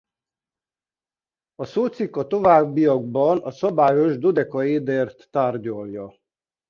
A szócikk a továbbiakban a szabályos dodekaédert tárgyalja.